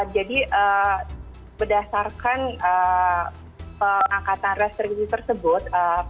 jadi berdasarkan pengangkatan restriksi tersebut